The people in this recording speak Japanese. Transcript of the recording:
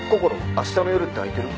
明日の夜って空いてる？